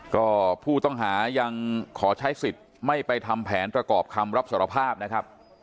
ก็ผู้ต้องหายังขอใช้สิทธิ์ไม่ไปทำแผนประกอบคำรับสารภาพนะครับ